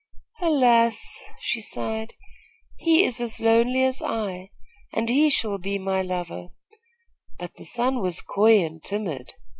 'Alas!' she sighed, 'He is as lonely as I, and he shall be my lover;' but the sun was coy and timid.